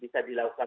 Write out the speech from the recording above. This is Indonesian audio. kita sudah lakukan